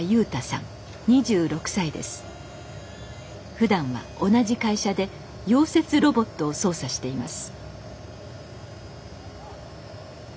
ふだんは同じ会社で溶接ロボットを操作しています。